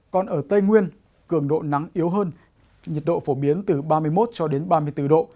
còn ở tây nguyên cường độ nắng yếu hơn nhiệt độ phổ biến từ ba mươi một cho đến ba mươi bốn độ